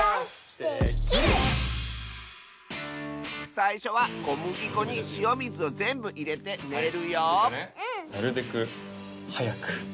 さいしょはこむぎこにしおみずをぜんぶいれてねるよなるべくはやく。